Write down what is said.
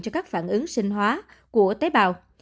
cho các phản ứng sinh hóa của tế bào